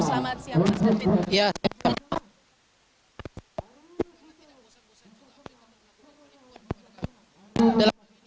selamat siang david